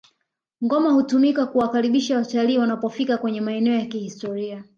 ngoma hutumika kuwakaribisha watalii wanapofika kwenye maeneo ya kihistoria